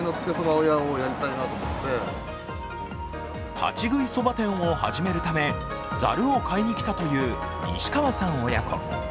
立ち食いそば店を始めるため、ざるを買いに来たという西川さん親子。